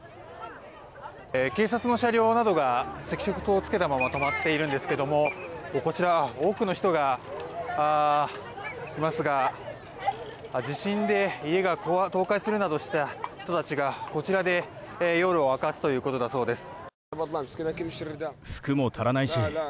警察の車両などが赤色灯をつけたまま止まっているんですがこちら、多くの人がいますが地震で家が倒壊するなどした人たちがこちらで夜を明かすということだそうです。